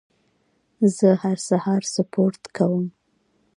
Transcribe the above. زه هر سهار سپورت کوم.